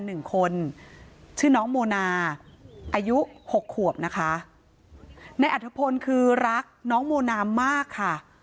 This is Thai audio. หนึ่งคนชื่อน้องโมนาอายุหกขวบนะคะในอัฐพลคือรักน้องโมนามากค่ะ